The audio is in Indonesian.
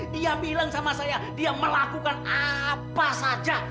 dia bilang sama saya dia melakukan apa saja